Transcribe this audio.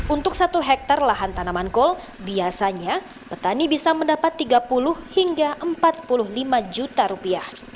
untuk satu hektare lahan tanaman kol biasanya petani bisa mendapat tiga puluh hingga empat puluh lima juta rupiah